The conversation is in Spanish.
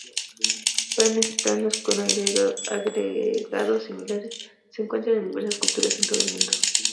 Panes planos con agregados similares se encuentran en diversas culturas en todo el mundo.